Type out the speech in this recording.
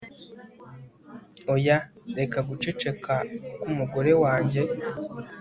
oya, reka guceceka k'umugore wanjye